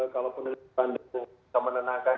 kalau penduduk penduduk yang menenangkan